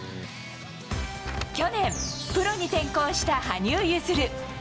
去年、プロに転向した羽生結弦。